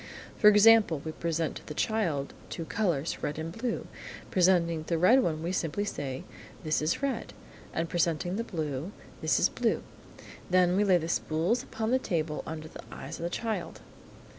For example, we present to the child, two colours, red and blue. Presenting the red, we say simply, " This is red," and presenting the blue, "This is blue." Then, we lay the spools upon the table under the eyes of the child.